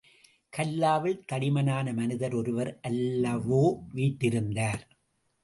கல்லாவில் தடிமனான மனிதர் ஒருவர் அல்லவோ வீற்றிருந்தார்!....